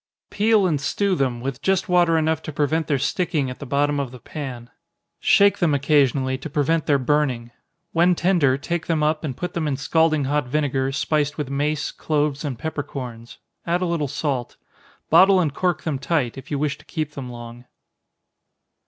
_ Peel and stew them, with just water enough to prevent their sticking at the bottom of the pan. Shake them occasionally, to prevent their burning. When tender, take them up, and put them in scalding hot vinegar, spiced with mace, cloves, and peppercorns add a little salt. Bottle and cork them tight, if you wish to keep them long.